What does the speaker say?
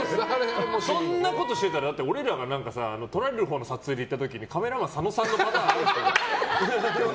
そんなことしてたら俺が撮られるほうの撮影で行った時にカメラマン、佐野さんのことが。